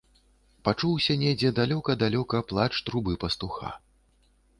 Пачуўся недзе далёка-далёка плач трубы пастуха.